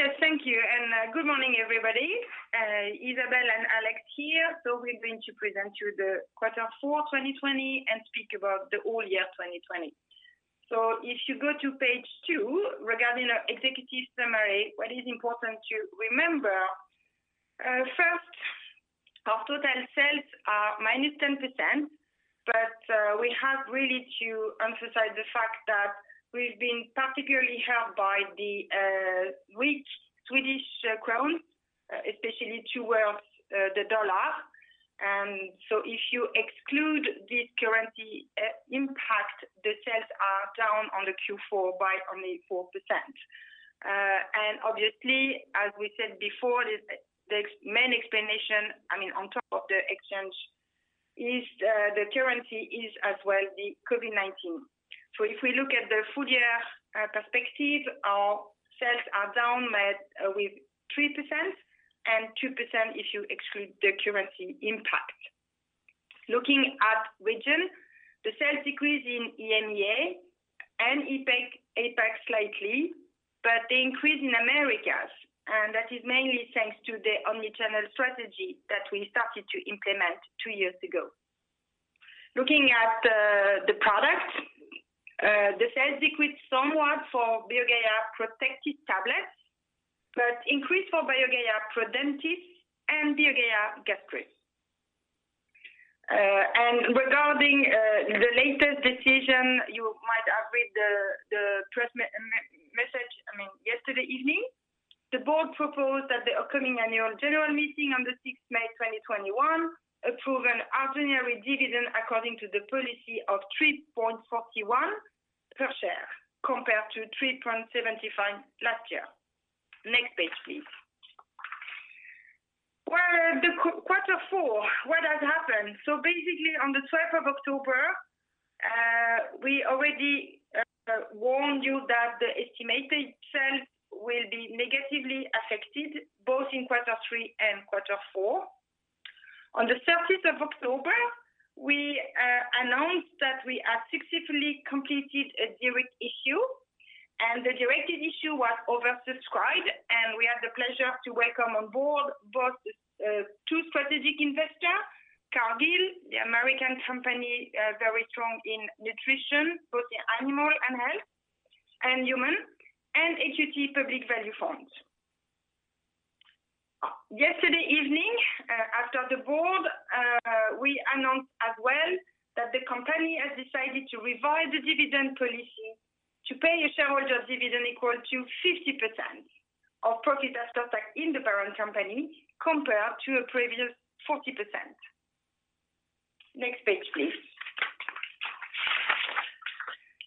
Yes, thank you, good morning, everybody. Isabelle and Alex here. We're going to present you the Q4 2020 and speak about the whole year 2020. If you go to page two, regarding our executive summary, what is important to remember, first, our total sales are -10%, but we have really to emphasize the fact that we've been particularly hurt by the weak Swedish krona, especially towards the dollar. If you exclude this currency impact, the sales are down on the Q4 by only 4%. Obviously, as we said before, the main explanation, on top of the exchange is the currency, is as well the COVID-19. If we look at the full year perspective, our sales are down by 3% and 2% if you exclude the currency impact. Looking at region, the sales decrease in EMEA and APAC slightly, they increase in Americas. That is mainly thanks to the omni-channel strategy that we started to implement two years ago. Looking at the product, the sales decreased somewhat for BioGaia Protectis tablets, but increased for BioGaia Prodentis and BioGaia Gastrus. Regarding the latest decision, you might have read the press message yesterday evening. The board proposed at the upcoming annual general meeting on the 6th May 2021, approve an ordinary dividend according to the policy of 3.41 per share compared to 3.75 last year. Next page, please. Well, the quarter four, what has happened? Basically, on the 12th of October, we already warned you that the estimated sales will be negatively affected both in quarter three and quarter four. On the 30th of October, we announced that we have successfully completed a direct issue. The directed issue was oversubscribed. We had the pleasure to welcome on board both two strategic investors, Cargill, the American company, very strong in nutrition, both in animal and health, and human, and EQT Public Value Fund. Yesterday evening, after the board, we announced as well that the company has decided to revise the dividend policy to pay a shareholder dividend equal to 50% of profit after tax in the parent company, compared to a previous 40%. Next page, please.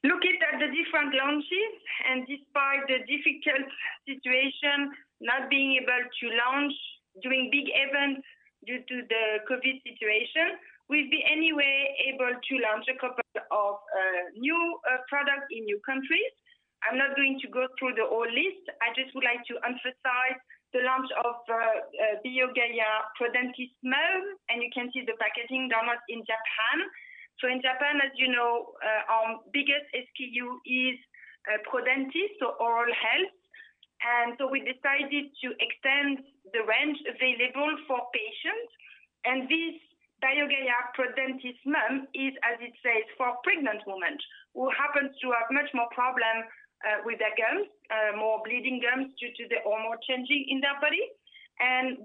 Looking at the different launches. Despite the difficult situation, not being able to launch during big events due to the COVID situation, we've been anyway able to launch a couple of new products in new countries. I'm not going to go through the whole list. I just would like to emphasize the launch of BioGaia Prodentis MUM, and you can see the packaging done in Japan. In Japan, as you know, our biggest SKU is Prodentis, so oral health. We decided to extend the range available for patients. This BioGaia Prodentis MUM is, as it says, for pregnant women who happen to have much more problem with their gums, more bleeding gums due to the hormone changing in their body.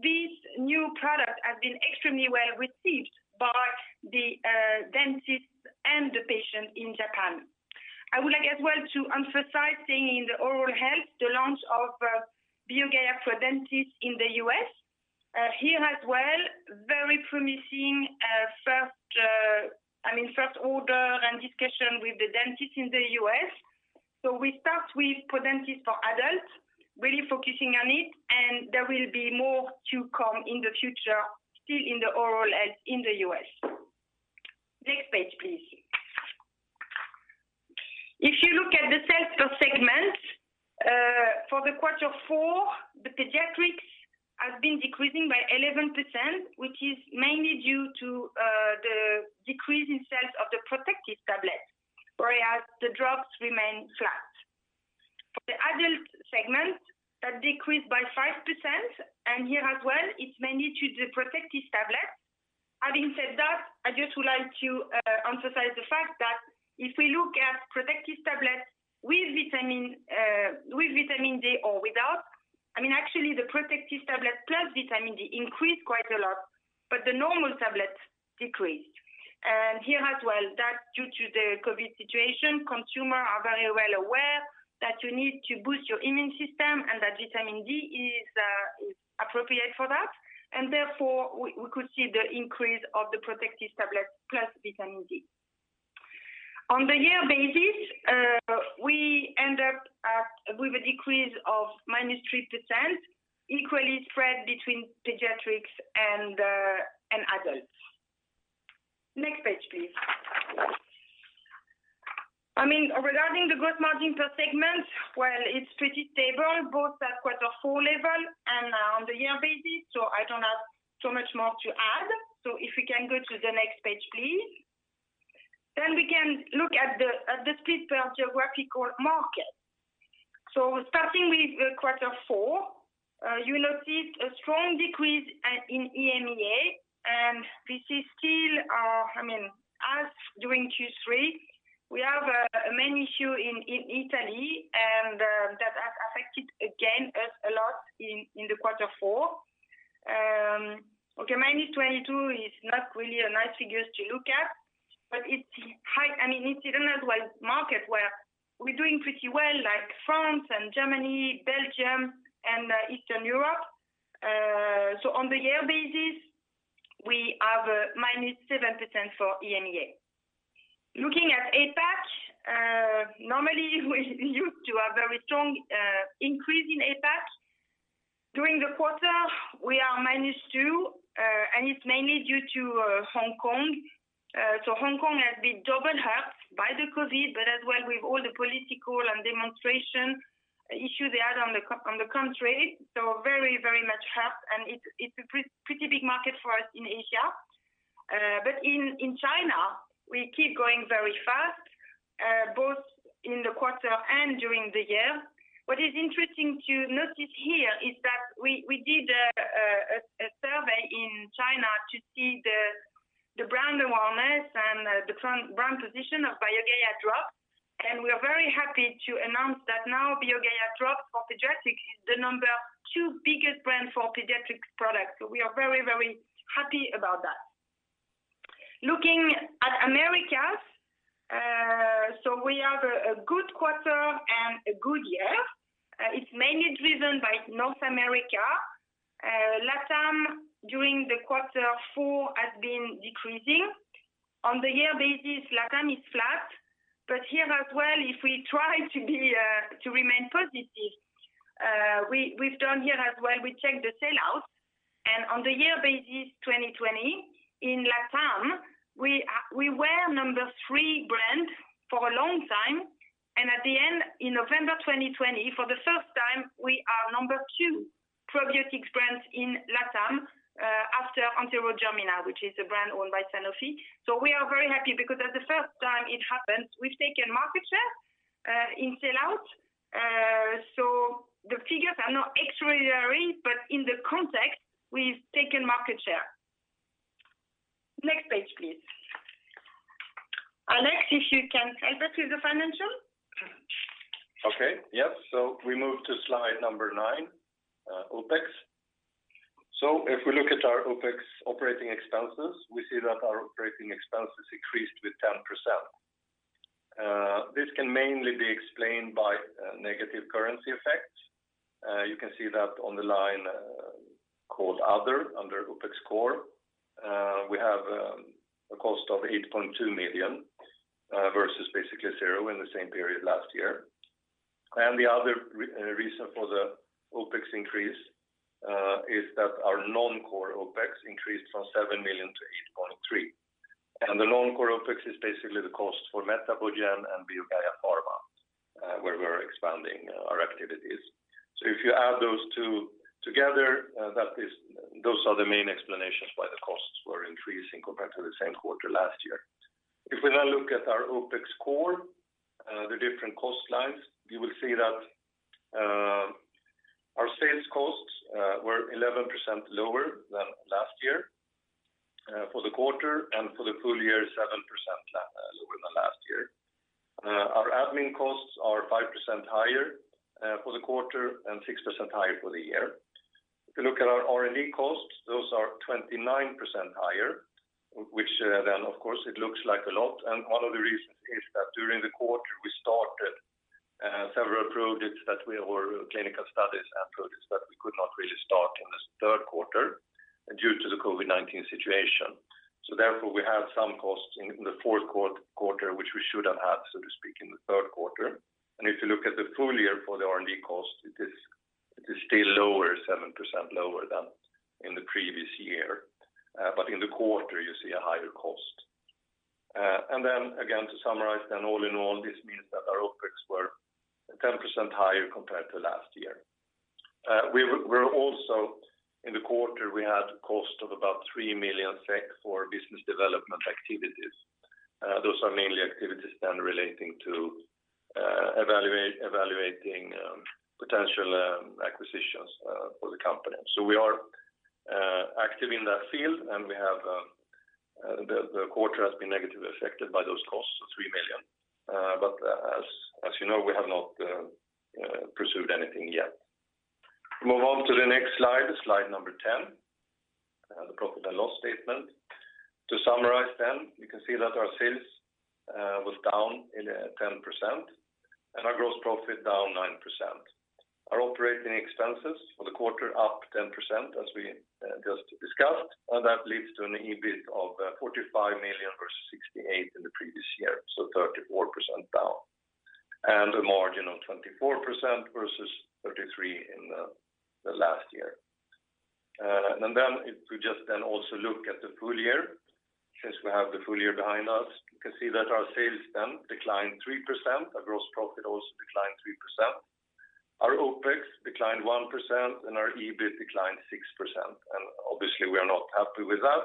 This new product has been extremely well received by the dentists and the patients in Japan. I would like as well to emphasize thing in the oral health, the launch of BioGaia Prodentis in the U.S. Here as well, very promising first order and discussion with the dentist in the U.S. We start with Prodentis for adults, really focusing on it, and there will be more to come in the future, still in the oral health in the U.S. Next page, please. If you look at the sales per segment, for the quarter four, the pediatrics has been decreasing by 11%, which is mainly due to the decrease in sales of the Protectis tablet. Whereas the drops remain flat. For the adult segment, that decreased by 5%, and here as well, it's mainly to the Protectis tablet. Having said that, I just would like to emphasize the fact that if we look at Protectis tablet with vitamin D or without, actually the Protectis tablet plus vitamin D increased quite a lot, but the normal tablet decreased. Here as well, that's due to the COVID situation. Consumers are very well aware that you need to boost your immune system and that vitamin D is appropriate for that. Therefore, we could see the increase of the Protectis tablet plus vitamin D. On the year basis, we end up with a decrease of -3%, equally spread between pediatrics and adults. Next page, please. Regarding the gross margin per segment, well, it's pretty stable, both at quarter four level. On the year basis, I don't have so much more to add. If we can go to the next page, please. We can look at the split per geographical market. Starting with quarter four, you notice a strong decrease in EMEA. This is still as during Q3. We have a main issue in Italy. That has affected, again, us a lot in the quarter four. -22 is not really a nice figure to look at, but it's high. It's an otherwise market where we're doing pretty well, like France and Germany, Belgium and Eastern Europe. On the year basis, we have a -7% for EMEA. Looking at APAC, normally we used to have very strong increase in APAC. During the quarter, we are -2, and it's mainly due to Hong Kong. Hong Kong has been double hurt by the COVID-19, but as well with all the political and demonstration issue they had on the country. Very much hurt, and it's a pretty big market for us in Asia. In China, we keep growing very fast, both in the quarter and during the year. What is interesting to notice here is that we did a survey in China to see the brand awareness and the brand position of BioGaia Drops, and we are very happy to announce that now BioGaia Drops for pediatric is the number two biggest brand for pediatric products. We are very, very happy about that. Looking at Americas, we have a good quarter and a good year. It's mainly driven by North America. LATAM, during the quarter four, has been decreasing. On the year basis, LATAM is flat, but here as well, if we try to remain positive, we've done here as well, we checked the sell-out, and on the year basis 2020, in LATAM, we were number 3 brand for a long time, and at the end, in November 2020, for the first time, we are number two probiotics brand in LATAM, after Enterogermina, which is a brand owned by Sanofi. We are very happy because that's the first time it happened. We've taken market share in sell-out. The figures are not extraordinary, but in the context, we've taken market share. Next page, please. Alex, if you can help us with the financial. Okay. Yep. We move to slide number nine, OpEx. If we look at our OpEx operating expenses, we see that our operating expenses increased with 10%. This can mainly be explained by negative currency effects. You can see that on the line called other under OpEx core. We have a cost of 8.2 million, versus basically zero in the same period last year. The other reason for the OpEx increase, is that our non-core OpEx increased from 7 million to 8.3 million. The non-core OpEx is basically the cost for MetaboGen and BioGaia Pharma, where we're expanding our activities. If you add those two together, those are the main explanations why the costs were increasing compared to the same quarter last year. If we now look at our OpEx core, the different cost lines, you will see that our sales costs were 11% lower than last year. For the quarter and for the full year, 7% lower than last year. Our admin costs are 5% higher for the quarter and 6% higher for the year. If you look at our R&D costs, those are 29% higher, which then, of course, it looks like a lot. One of the reasons is that during the quarter, we started several projects that were clinical studies and projects that we could not really start in the third quarter due to the COVID-19 situation. Therefore, we had some costs in the fourth quarter, which we should have had, so to speak, in the third quarter. If you look at the full year for the R&D cost, it is still lower, 7% lower than in the previous year. In the quarter, you see a higher cost. This means that our OpEx were 10% higher compared to last year. We're also in the quarter, we had a cost of about 3 million SEK for business development activities. Those are mainly activities relating to evaluating potential acquisitions for the company. We are active in that field, and the quarter has been negatively affected by those costs of 3 million. As you know, we have not pursued anything yet. Move on to the next slide 10, the profit and loss statement. To summarize, you can see that our sales was down 10%, and our gross profit down 9%. Our OpEx for the quarter up 10%, as we just discussed. That leads to an EBIT of 45 million versus 68 million in the previous year, so 34% down. A margin of 24% versus 33% in the last year. If we just then also look at the full year. Since we have the full year behind us, you can see that our sales then declined 3%. Our gross profit also declined 3%. Our OpEx declined 1%, and our EBIT declined 6%. Obviously, we are not happy with that.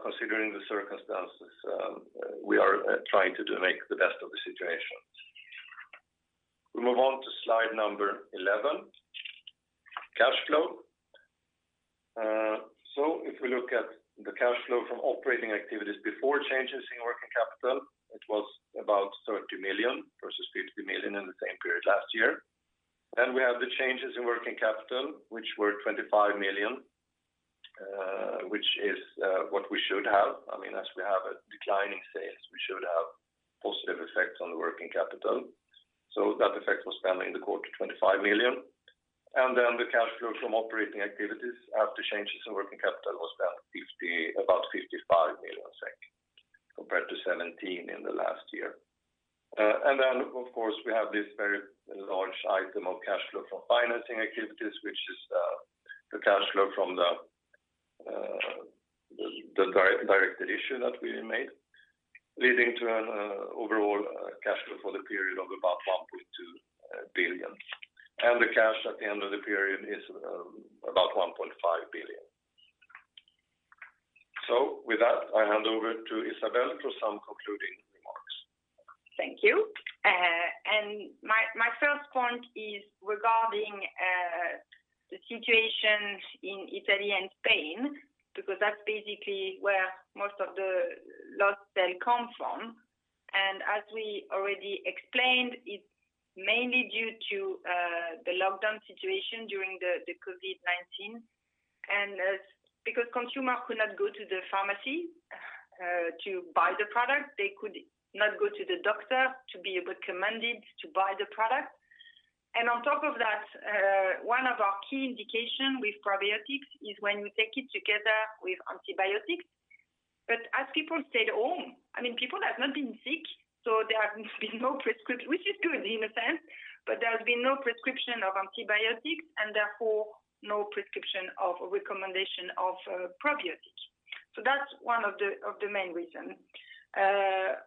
Considering the circumstances, we are trying to make the best of the situation. We move on to slide number 11, cash flow. If we look at the cash flow from operating activities before changes in working capital, it was about 30 million versus 50 million in the same period last year. We have the changes in working capital, which were 25 million, which is what we should have. As we have a decline in sales, we should have positive effects on working capital. That effect was spent in the quarter, 25 million. The cash flow from operating activities after changes in working capital was about 55 million SEK compared to 17 million in the last year. Of course, we have this very large item of cash flow from financing activities, which is the cash flow from the directed issue that we made, leading to an overall cash flow for the period of about 1.2 billion. The cash at the end of the period is about 1.5 billion. With that, I hand over to Isabelle for some concluding remarks. Thank you. My first point is regarding the situation in Italy and Spain, because that's basically where most of the lost sales come from. As we already explained, it's mainly due to the lockdown situation during the COVID-19. Because consumers could not go to the pharmacy to buy the product, they could not go to the doctor to be recommended to buy the product. On top of that, one of our key indications with probiotics is when you take it together with antibiotics. But as people stayed home, people have not been sick, so there have been no prescription, which is good in a sense, but there has been no prescription of antibiotics and therefore no prescription of a recommendation of probiotics. That's one of the main reasons.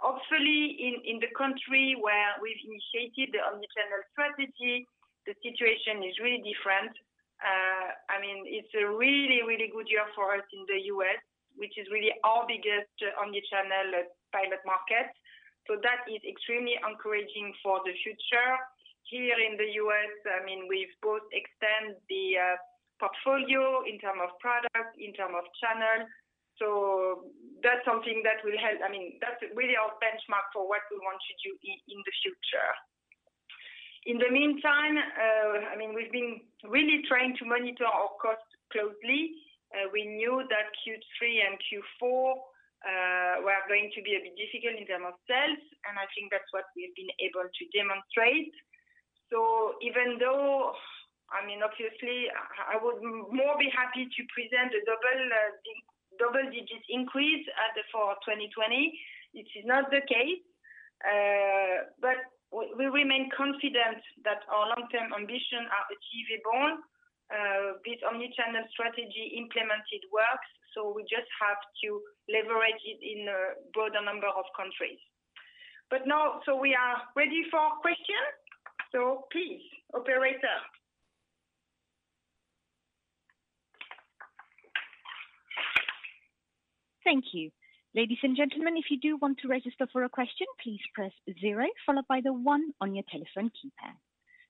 Hopefully, in the country where we've initiated the omni-channel strategy, the situation is really different. It's a really, really good year for us in the U.S., which is really our biggest omnichannel pilot market. That is extremely encouraging for the future. Here in the U.S., we've both extend the portfolio in term of product, in term of channel. That's really our benchmark for what we want to do in the future. In the meantime, we've been really trying to monitor our costs closely. We knew that Q3 and Q4 were going to be a bit difficult in term of sales. I think that's what we've been able to demonstrate. Even though, obviously, I would more be happy to present a double digits increase at the fall of 2020. This is not the case. We remain confident that our long-term ambition are achievable. This omnichannel strategy implemented works. We just have to leverage it in a broader number of countries. We are ready for question. Please, Operator. Thank you. Ladies and gentlemen, if you do want to register for a question, please press zero followed by the one on your telephone keypad.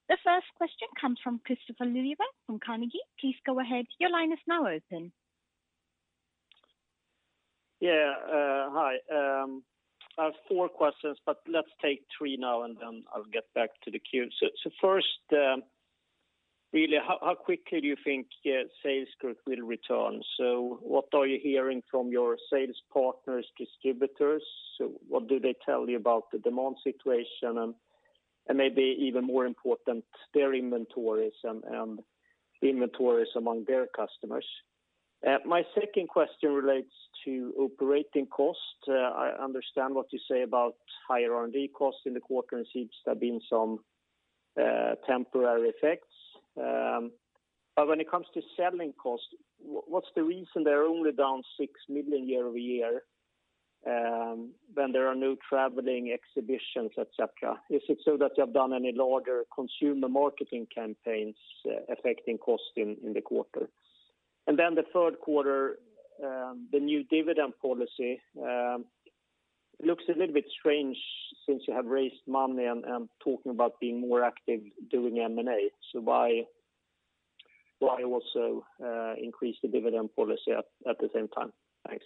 The first question comes from Kristofer Liljeberg from Carnegie. Please go ahead. Your line is now open. Yeah. Hi. I have four questions, but let's take three now, and then I'll get back to the queue. First, really, how quickly do you think sales growth will return? What are you hearing from your sales partners, distributors? What do they tell you about the demand situation and maybe even more important, their inventories and inventories among their customers? My second question relates to operating cost. I understand what you say about higher R&D costs in the quarter and seems to have been some temporary effects. When it comes to selling cost, what's the reason they're only down 6 million year-over-year, when there are no traveling exhibitions, et cetera? Is it so that you have done any larger consumer marketing campaigns affecting cost in the quarter? The third quarter, the new dividend policy looks a little bit strange since you have raised money and talking about being more active doing M&A. Why also increase the dividend policy at the same time? Thanks.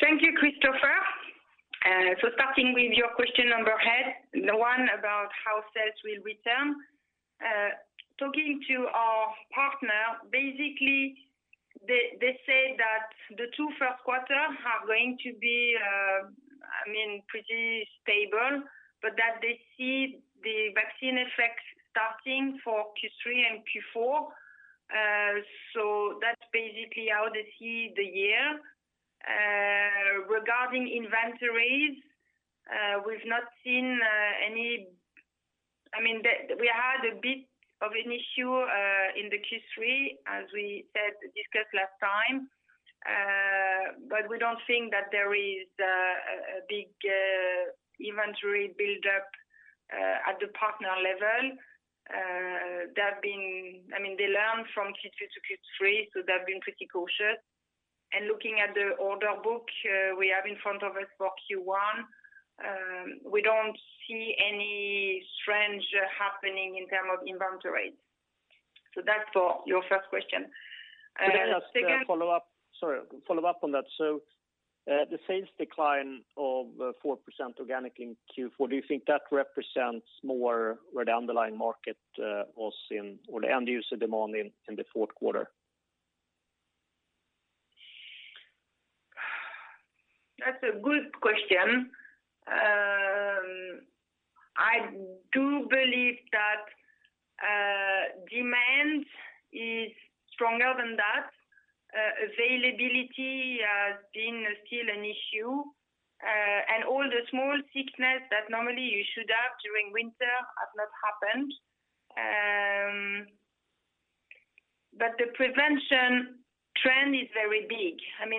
Thank you, Kristofer. Starting with your question number one about how sales will return. Talking to our partner, basically, they say that the two first quarter are going to be pretty stable, but that they see the vaccine effect starting for Q3 and Q4. That's basically how they see the year. Regarding inventories, we had a bit of an issue in the Q3, as we discussed last time. We don't think that there is a big inventory buildup at the partner level. They learned from Q2 to Q3, so they've been pretty cautious. Looking at the order book we have in front of us for Q1, we don't see any strange happening in terms of inventory. That's for your first question. Could I just follow up on that. The sales decline of 4% organic in Q4, do you think that represents more where the underlying market was in or the end user demand in the fourth quarter? That's a good question. I do believe that demand is stronger than that. Availability has been still an issue. All the small sickness that normally you should have during winter have not happened. The prevention trend is very big.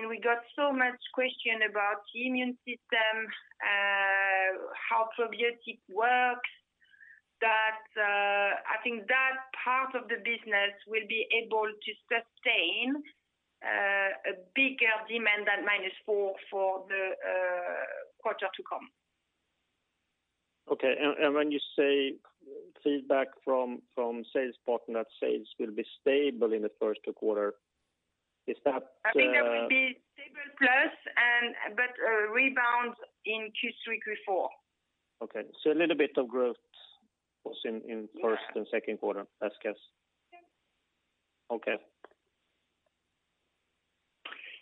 We got so much question about the immune system, how probiotic works, that I think that part of the business will be able to sustain a bigger demand than -4 for the quarter to come. Okay. When you say feedback from sales partner that sales will be stable in the first two quarter, is that? I think that will be stable plus, but a rebound in Q3, Q4. Okay. A little bit of growth was in first and second quarter, I guess. Yeah. Okay.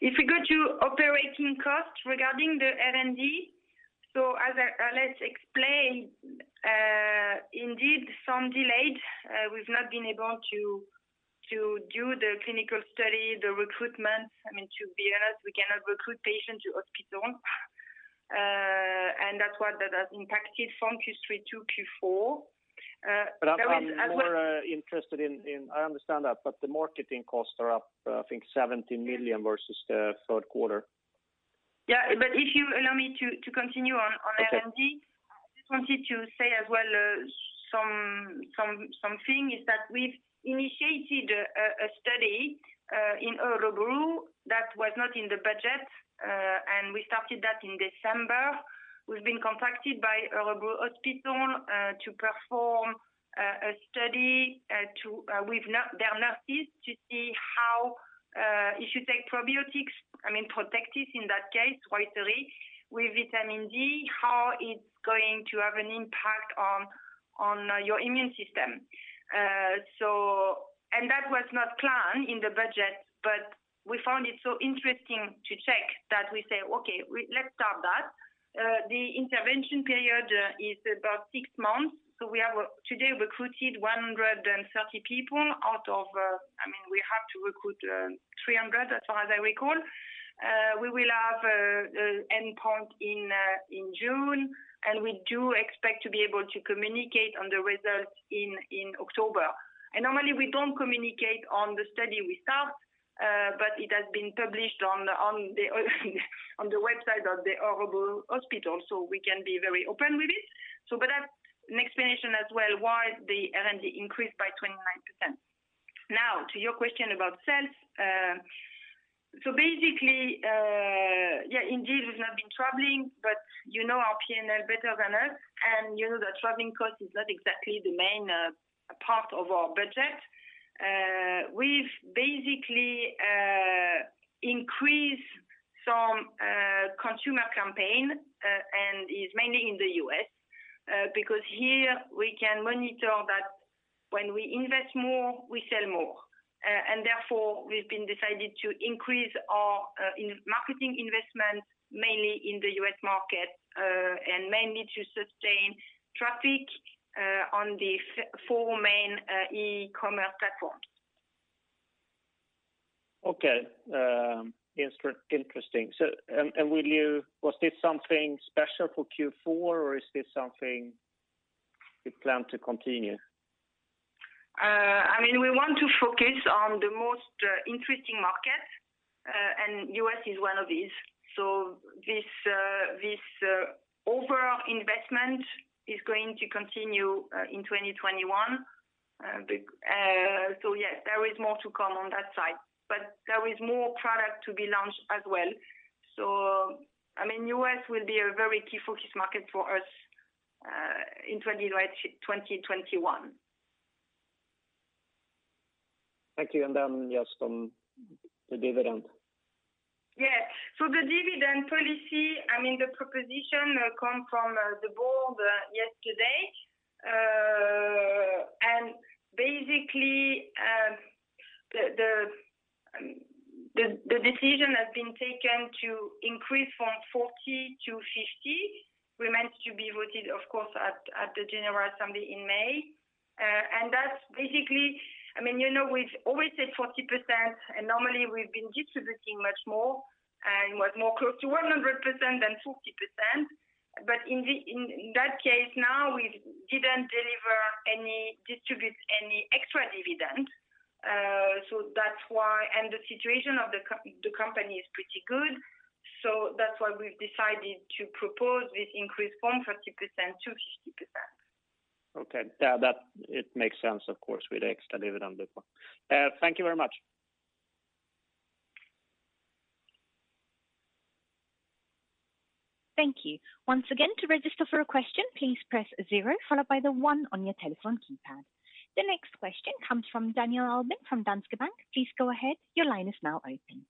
If we go to OpEx regarding the R&D, as Alex explained, indeed some delayed. We've not been able to do the clinical study, the recruitment. To be honest, we cannot recruit patients to hospital, that's what that has impacted from Q3 to Q4. I understand that. The marketing costs are up, I think 17 million versus the third quarter. Yeah, if you allow me to continue on R&D. Okay. I just wanted to say as well something is that we've initiated a study in Örebro that was not in the budget. We started that in December. We've been contacted by Örebro Hospital to perform a study with their nurses to see how if you take probiotics, Protectis in that case, 33 with vitamin D, how it's going to have an impact on your immune system. That was not planned in the budget. We found it so interesting to check that we say, "Okay, let's start that." The intervention period is about six months. We have today recruited 130 people. We have to recruit 300 as far as I recall. We will have endpoint in June. We do expect to be able to communicate on the results in October. Normally we don't communicate on the study we start, it has been published on the website of the Örebro Hospital, we can be very open with it. That's an explanation as well why the R&D increased by 29%. To your question about sales. Basically, indeed we've not been traveling, you know our P&L better than us, you know that traveling cost is not exactly the main part of our budget. We've basically increased some consumer campaign, it is mainly in the U.S. because here we can monitor that when we invest more, we sell more. Therefore, we've been decided to increase our marketing investment mainly in the U.S. market, mainly to sustain traffic on the four main e-commerce platforms. Okay. Interesting. Was this something special for Q4 or is this something you plan to continue? We want to focus on the most interesting market. U.S. is one of these. This overall investment is going to continue in 2021. Yes, there is more to come on that side. There is more product to be launched as well. U.S. will be a very key focus market for us in 2021. Thank you. Just on the dividend. Yeah. The dividend policy, the proposition came from the board yesterday. Basically, the decision has been taken to increase from 40% to 50%, remains to be voted, of course, at the General Assembly in May. That's basically, we've always said 40%, and normally we've been distributing much more, and was more close to 100% than 40%. In that case now, we didn't distribute any extra dividend. The situation of the company is pretty good, so that's why we've decided to propose this increase from 40% to 50%. Okay. It makes sense, of course, with the extra dividend before. Thank you very much. Thank you. Once again, to register for a question, please press zero followed by the one on your telephone keypad. The next question comes from Daniel Albin from Danske Bank. Please go ahead. Your line is now open.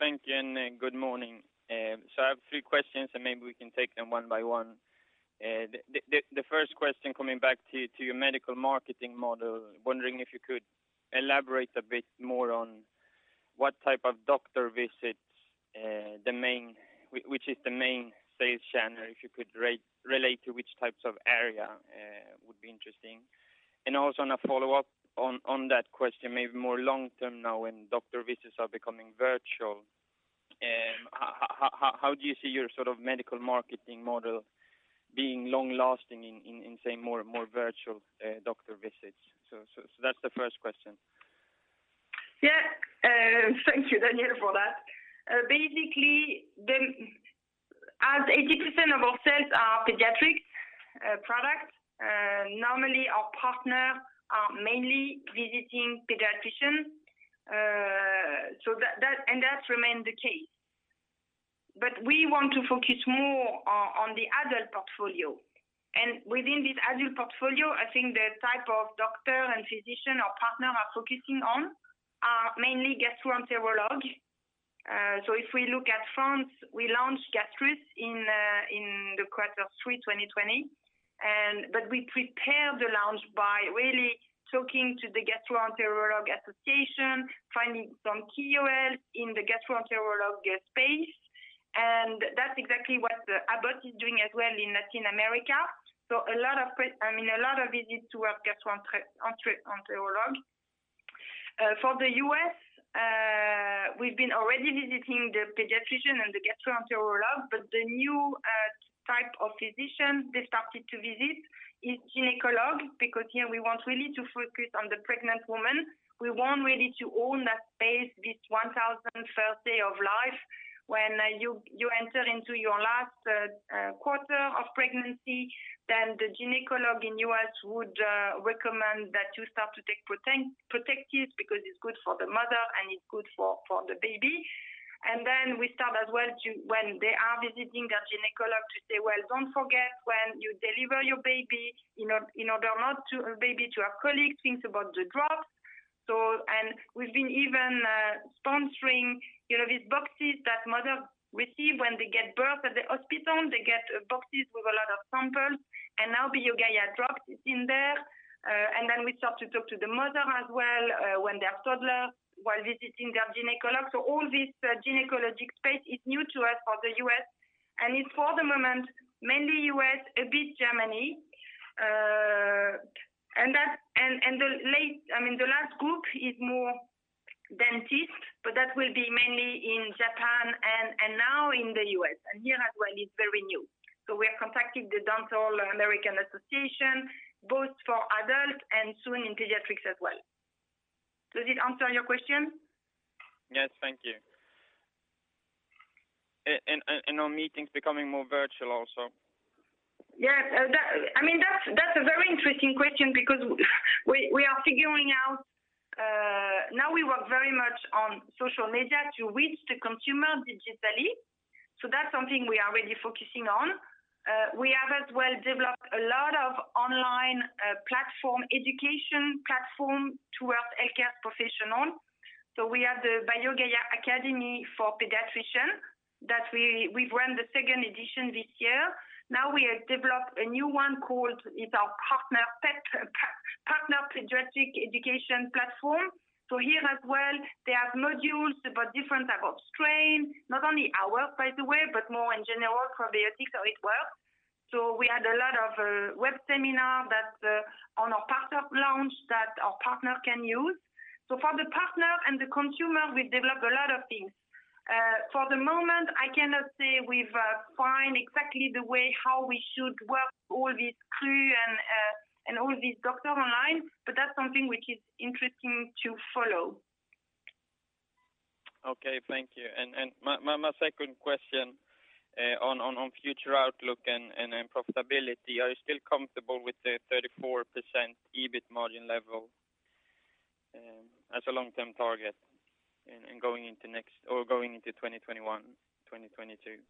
Thank you, and good morning. I have three questions, and maybe we can take them one by one. The first question, coming back to your medical marketing model, wondering if you could elaborate a bit more on what type of doctor visits, which is the main sales channel. If you could relate to which types of area, would be interesting. Also on a follow-up on that question, maybe more long-term now, when doctor visits are becoming virtual, how do you see your sort of medical marketing model being long-lasting in, say, more virtual doctor visits? That's the first question. Yeah. Thank you, Daniel, for that. Basically, as 80% of our sales are pediatrics products, normally our partner are mainly visiting pediatricians, and that remains the case. We want to focus more on the adult portfolio. Within this adult portfolio, I think the type of doctor and physician our partner are focusing on are mainly gastroenterologist. If we look at France, we launched Gastrus in the quarter three 2020. We prepared the launch by really talking to the gastroenterologist association, finding some KOL in the gastroenterologist space, and that's exactly what Abbott is doing as well in Latin America. A lot of visits to our gastroenterologist. For the U.S., we've been already visiting the pediatrician and the gastroenterologist, the new type of physician they started to visit is gynecologist, because here we want really to focus on the pregnant woman. We want really to own that space, this 1,000 first day of life. When you enter into your last quarter of pregnancy, the gynecologist in U.S. would recommend that you start to take Protectis because it's good for the mother and it's good for the baby. We start as well, when they are visiting their gynecologist, they will don't forget when you deliver your baby, in order not to baby to have colic, think about the drops. We've been even sponsoring these boxes that mother receive when they give birth at the hospital. They get boxes with a lot of samples, now BioGaia drops is in there. We start to talk to the mother as well, when they have toddler, while visiting their gynecologist. All this gynecologic space is new to us for the U.S., and it's for the moment mainly U.S., a bit Germany. The last group is more dentist, but that will be mainly in Japan and now in the U.S., and here as well it's very new. We are contacting the American Dental Association, both for adult and soon in pediatrics as well. Does it answer your question? Yes, thank you. On meetings becoming more virtual also. Yeah. That's a very interesting question because we are figuring out. Now we work very much on social media to reach the consumer digitally. That's something we are really focusing on. We have as well developed a lot of online platform, education platform towards healthcare professional. We have the BioGaia Academy for Pediatrician that we've run the second edition this year. Now we have developed a new one called Partner Pediatric Education Platform. Here as well, they have modules about different type of strain, not only ours, by the way, but more in general probiotics how it works. We had a lot of web seminar on our partner launch that our partner can use. For the partner and the consumer, we've developed a lot of things. For the moment, I cannot say we've find exactly the way how we should work all these crew and all these doctors online, that's something which is interesting to follow. Okay, thank you. My second question on future outlook and profitability, are you still comfortable with the 34% EBIT margin level as a long-term target going into 2021, 2022?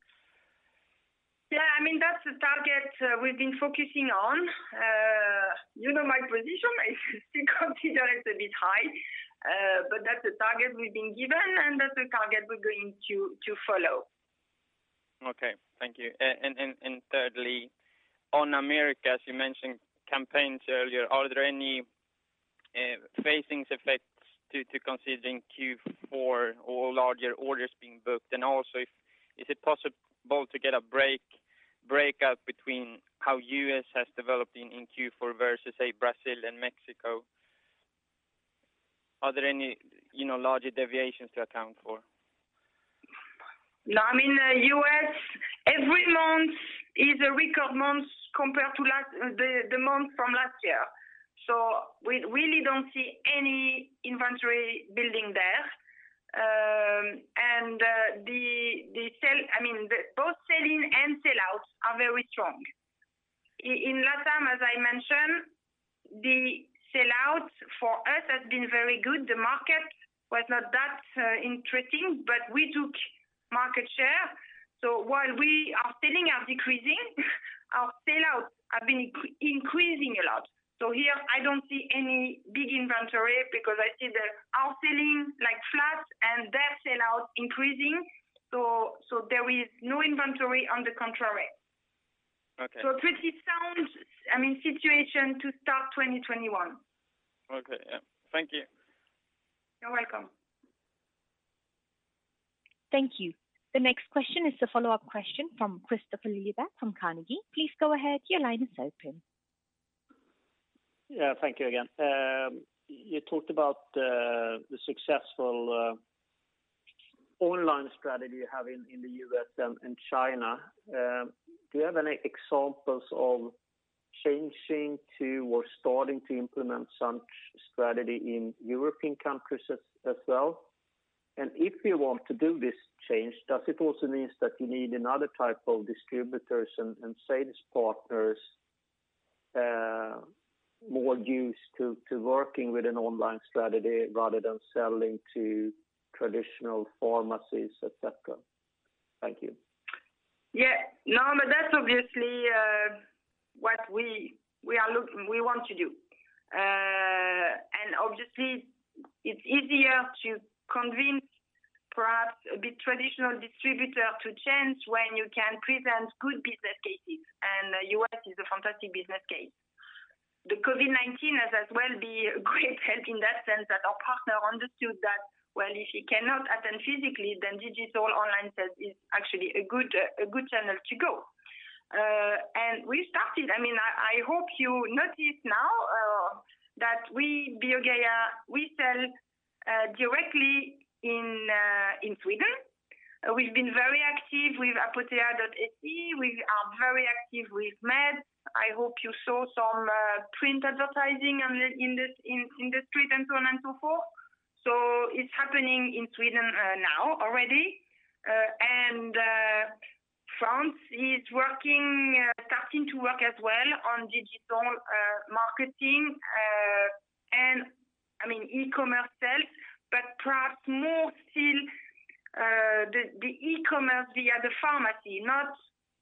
Yeah. That's the target we've been focusing on. You know my position, I still consider it a bit high. That's the target we've been given, and that's the target we're going to follow. Okay, thank you. Thirdly, on the U.S., as you mentioned campaigns earlier, are there any phasing effects to considering Q4 or larger orders being booked? Also, is it possible to get a breakup between how the U.S. has developed in Q4 versus, say, Brazil and Mexico? Are there any larger deviations to account for? No, in the U.S., every month is a record month compared to the month from last year. We really don't see any inventory building there. Both selling and sell-outs are very strong. In LATAM, as I mentioned, the sell-outs for us has been very good. The market was not that interesting, but we took market share. While our selling are decreasing, our sell-outs have been increasing a lot. Here I don't see any big inventory because I see that our selling like flat and their sell-outs increasing. There is no inventory on the contrary. Okay. Pretty sound situation to start 2021. Okay. Yeah. Thank you. You're welcome. Thank you. The next question is a follow-up question from Kristofer Liljeberg from Carnegie. Please go ahead. Your line is open. Yeah. Thank you again. You talked about the successful online strategy you have in the U.S. and China. Do you have any examples of changing to or starting to implement some strategy in European countries as well? If you want to do this change, does it also means that you need another type of distributors and sales partners more used to working with an online strategy rather than selling to traditional pharmacies, et cetera? Thank you. That's obviously what we want to do. Obviously it's easier to convince perhaps a bit traditional distributor to change when you can present good business cases. U.S. is a fantastic business case. The COVID-19 has as well been a great help in that sense that our partner understood that, well, if he cannot attend physically, digital online sales is actually a good channel to go. We started. I hope you notice now that we, BioGaia, we sell directly in Sweden. We've been very active with apotea.se. We are very active with MEDS. I hope you saw some print advertising in the street and so on and so forth. It's happening in Sweden now already. France is starting to work as well on digital marketing, and e-commerce sales, but perhaps more still the e-commerce via the pharmacy, not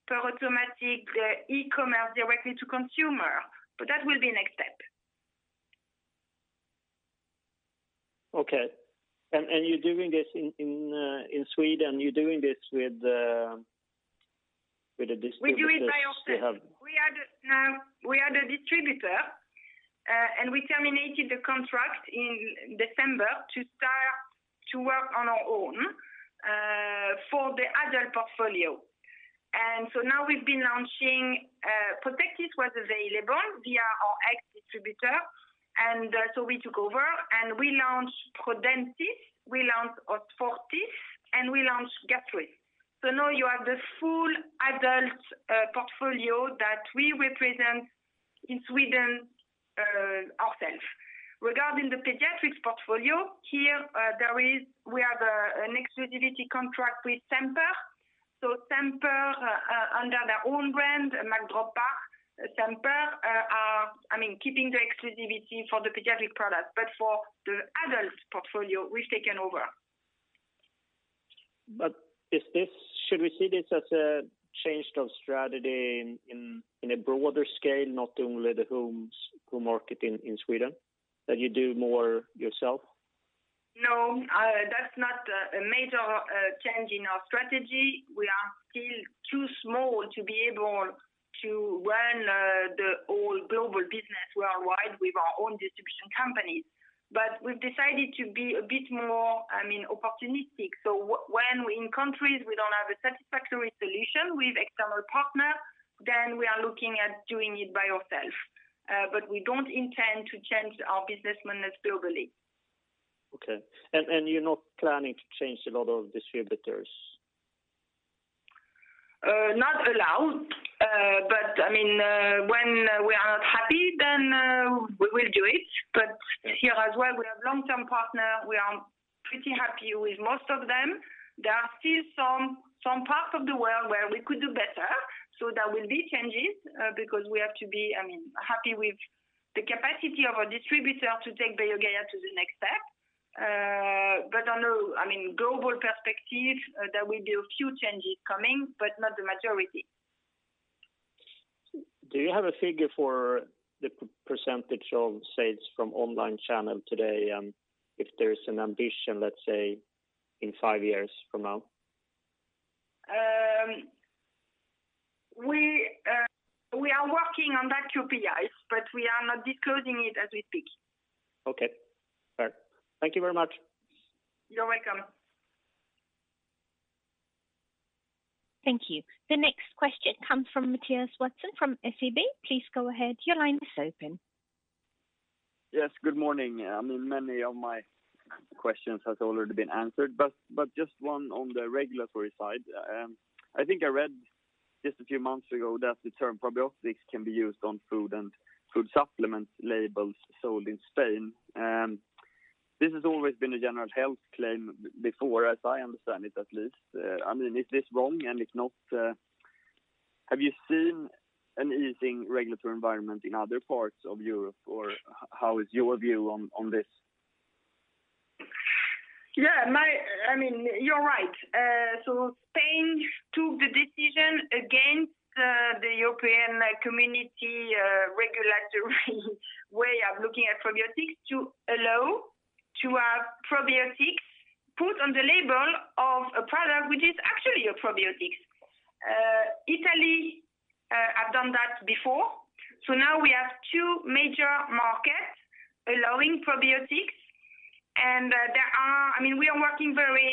pure automatic e-commerce directly to consumer. That will be next step. Okay. You're doing this in Sweden, you're doing this with a distributor you have. We do it by ourselves. We had a distributor, and we terminated the contract in December to start to work on our own for the adult portfolio. Now we've been launching. Protectis was available via our ex distributor. We took over, and we launched Prodentis, we launched Osfortis, and we launched Gastrus. Now you have the full adult portfolio that we represent in Sweden ourself. Regarding the pediatrics portfolio, here we have an exclusivity contract with Semper. Semper under their own brand, Magdroppar Semper, are keeping the exclusivity for the pediatric product. For the adult portfolio, we've taken over. Should we see this as a change of strategy in a broader scale, not only the home market in Sweden, that you do more yourself? No, that's not a major change in our strategy. We are still too small to be able to run the whole global business worldwide with our own distribution companies. We've decided to be a bit more opportunistic. When we're in countries we don't have a satisfactory solution with external partner, then we are looking at doing it by ourselves. We don't intend to change our business model globally. Okay. You're not planning to change a lot of distributors? Not allowed. When we are not happy, then we will do it. Here as well, we have long-term partner. We are pretty happy with most of them. There are still some parts of the world where we could do better. There will be changes because we have to be happy with the capacity of our distributor to take BioGaia to the next step. On a global perspective, there will be a few changes coming, but not the majority. Do you have a figure for the percent of sales from online channel today, if there's an ambition, let's say, in five years from now? We are working on that KPI, but we are not disclosing it as we speak. Okay. All right. Thank you very much. You're welcome. Thank you. The next question comes from Mattias Vadsten from SEB. Please go ahead. Your line is open. Yes, good morning. Many of my questions have already been answered, just one on the regulatory side. I think I read just a few months ago that the term probiotics can be used on food and food supplement labels sold in Spain. This has always been a general health claim before, as I understand it, at least. Is this wrong, and if not, have you seen an easing regulatory environment in other parts of Europe, or how is your view on this? Yeah. You're right. Spain took the decision against the European Commission regulatory way of looking at probiotics to allow to have probiotics put on the label of a product which is actually a probiotic. Italy have done that before. Now we have two major markets allowing probiotics. We are working very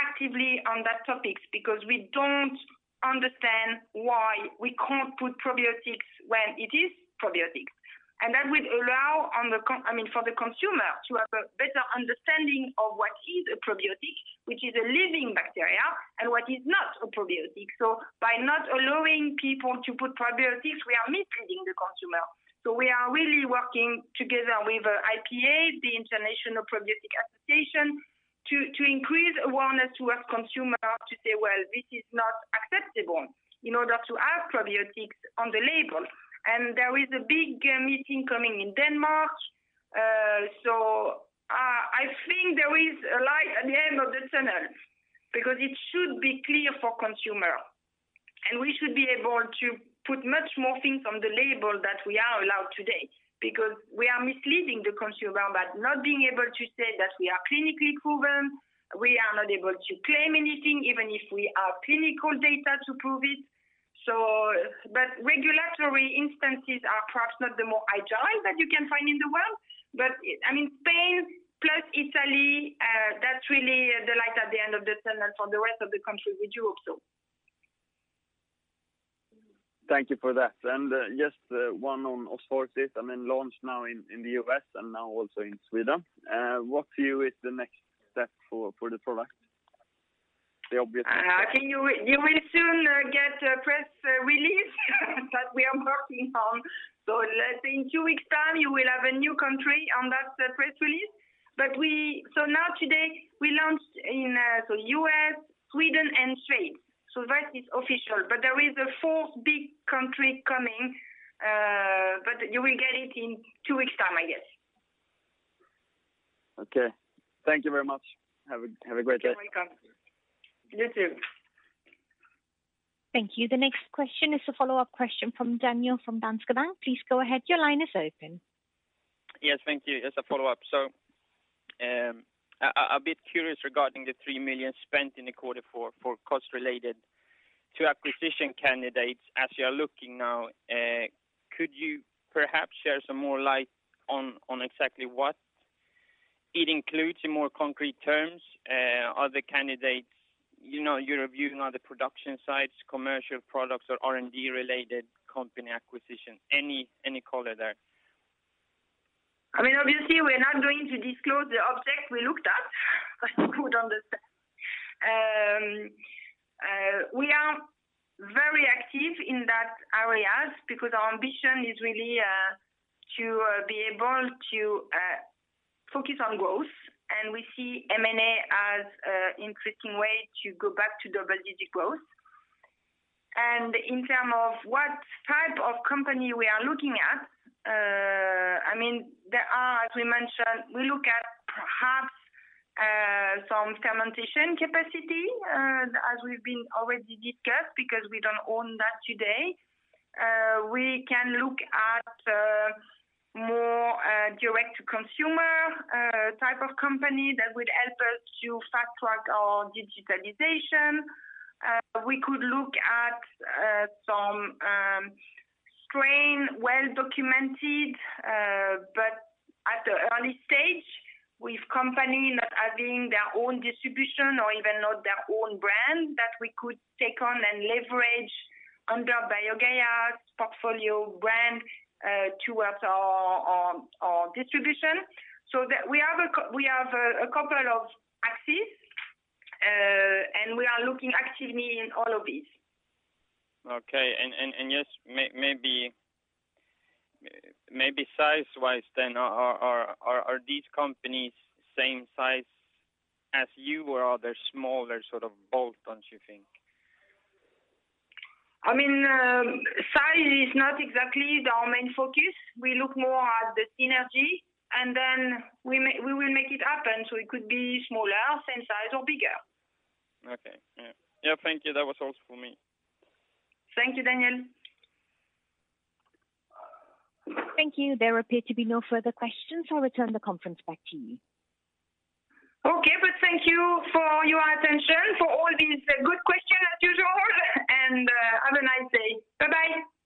actively on that topic because we don't understand why we can't put probiotics when it is probiotics. That would allow for the consumer to have a better understanding of what is a probiotic, which is a living bacteria, and what is not a probiotic. By not allowing people to put probiotics, we are misleading the consumer. We are really working together with IPA, the International Probiotics Association, to increase awareness to our consumer, to say, "Well, this is not acceptable," in order to have probiotics on the label. There is a big meeting coming in Denmark. I think there is a light at the end of the tunnel, because it should be clear for consumer. We should be able to put much more things on the label that we are allowed today, because we are misleading the consumer by not being able to say that we are clinically proven. We are not able to claim anything, even if we have clinical data to prove it. Regulatory instances are perhaps not the more agile that you can find in the world. Spain plus Italy, that's really the light at the end of the tunnel for the rest of the countries. We do hope so. Thank you for that. Just one on Osfortis and then launch now in the U.S. and now also in Sweden. What view is the next step for the product? I think you will soon get a press release that we are working on. Let's say in two weeks' time, you will have a new country on that press release. Now today, we launched in the U.S., Sweden, and Spain. That is official. There is a fourth big country coming, but you will get it in two weeks' time, I guess. Okay. Thank you very much. Have a great day. You're welcome. You too. Thank you. The next question is a follow-up question from Daniel from Danske Bank. Please go ahead. Your line is open. Yes, thank you. As a follow-up, I'm a bit curious regarding the 3 million spent in the quarter four for cost related to acquisition candidates as you are looking now. Could you perhaps shed some more light on exactly what it includes in more concrete terms? Are the candidates you're reviewing production sites, commercial products or R&D-related company acquisition? Any color there? Obviously, we're not going to disclose the object we looked at, as you could understand. We are very active in that areas because our ambition is really to be able to focus on growth, and we see M&A as an interesting way to go back to double-digit growth. In terms of what type of company we are looking at, there are, as we mentioned, we look at perhaps some fermentation capacity, as we've been already discussed, because we don't own that today. We can look at more direct-to-consumer type of company that would help us to fast track our digitalization. We could look at some strain well documented, but at the early stage, with company not having their own distribution or even not their own brand that we could take on and leverage under BioGaia's portfolio brand towards our distribution. We have a couple of axes, and we are looking actively in all of these. Okay. Just maybe size-wise then, are these companies same size as you, or are they smaller, sort of bolt-ons, you think? Size is not exactly our main focus. We look more at the synergy, and then we will make it happen. It could be smaller, same size, or bigger. Okay. Yeah. Thank you. That was all for me. Thank you, Daniel. Thank you. There appear to be no further questions. I'll return the conference back to you. Okay. Thank you for your attention, for all these good questions as usual, and have a nice day. Bye-bye.